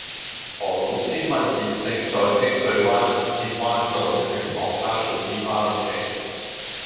何老師問現正在清水灣銀線灣道勸學生早啲返屋企